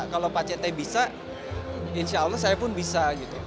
kalau pak cete bisa insya allah saya pun bisa gitu